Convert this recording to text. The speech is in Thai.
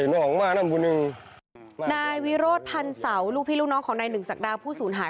นายวิโรธพันเสาลูกพี่ลูกน้องของนายหนึ่งศักดาผู้สูญหาย